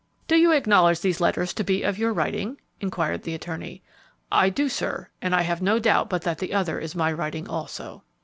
"Do you acknowledge these letters to be of your writing?" inquired the attorney. "I do, sir; and I have no doubt but that the other is my writing also."